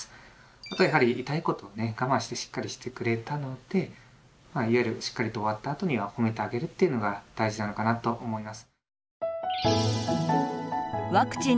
あとやはり痛いことをね我慢してしっかりしてくれたのでいわゆるしっかりと終わったあとには褒めてあげるというのが大事なのかなと思います。